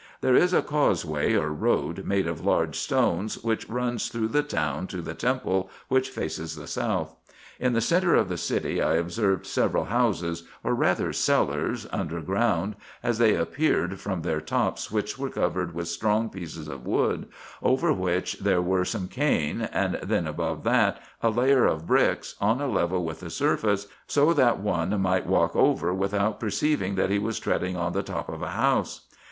There is a causeway, or road, made of large stones, winch runs through the town to the temple, which faces the south. In the centre of the city I observed several houses, or rather cellars, underground, as they appeared from their tops, which were covered with strong pieces of wood, over which there were some cane, and then above that a layer of bricks, on a level with the surface, so that one might walk over without perceiving that he was treading on the top of a house.